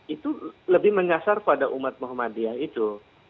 itu lebih menyasar pada umat muhammadiyah itu